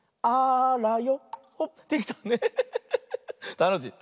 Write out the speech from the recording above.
たのしい。